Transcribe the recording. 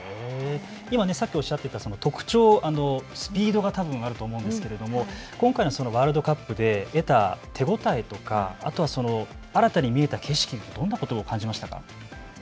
今さっきおっしゃっていた特徴、スピードがたぶんあると思うんですけど今回のワールドカップで得た手応えとかあとは新たに見えた景色、どんなことを感じましたか。